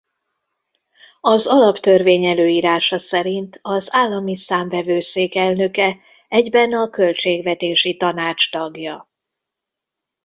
Az Alaptörvény előírása szerint az Állami Számvevőszék elnöke egyben a Költségvetési Tanács tagja.